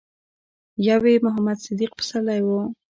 يو يې محمد صديق پسرلی و.